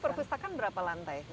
perpustakaan berapa lantai